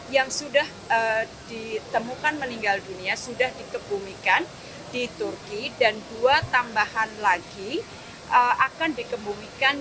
yang sudah ditemukan meninggal dunia sudah dikebumikan di turki dan dua tambahan lagi akan dikebumikan